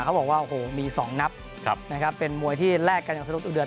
เขาบอกว่าโอ้โหมีสองนับครับนะครับเป็นมวยที่แลกกันอย่างสะดวกเดือด